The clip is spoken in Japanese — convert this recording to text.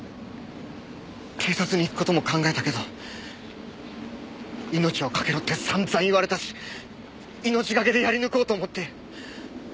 警察に行く事も考えたけど命を懸けろって散々言われたし命懸けでやり抜こうと思って。